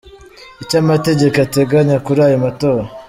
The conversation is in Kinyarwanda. Icyo amategeko ateganya kuri aya matora.